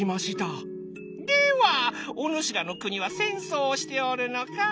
「ではおぬしらの国は戦争をしておるのか？」。